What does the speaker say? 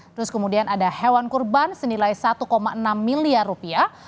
terus kemudian ada hewan kurban senilai satu enam miliar rupiah